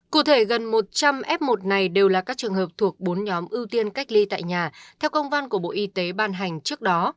cụ thể gần một trăm linh f một này đều là các trường hợp thuộc bốn nhóm ưu tiên cách ly tại nhà theo công văn của bộ y tế ban hành trước đó